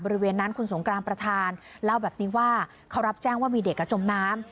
บริเวณนั้นคุณสงกรานประธานเล่าแบบนี้ว่าเขารับแจ้งว่ามีเด็กจมน้ำ